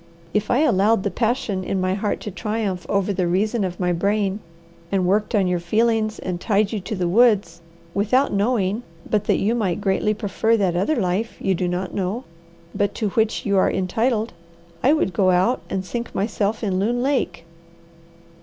If I allowed the passion in my heart to triumph over the reason of my brain, and worked on your feelings and tied you to the woods, without knowing but that you might greatly prefer that other life you do not know, but to which you are entitled, I would go out and sink myself in Loon Lake."